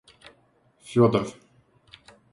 Федор